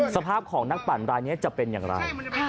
สภาพของนักปั่นรายนี้จะเป็นอย่างไร